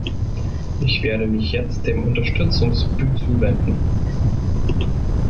Ich werde mich jetzt dem Unterstützungsbüzuwenden.